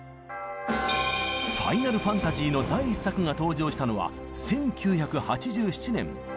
「ファイナルファンタジー」の第１作が登場したのは１９８７年。